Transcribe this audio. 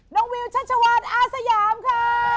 น้องวิวชาชาวาสอาสยามค่ะ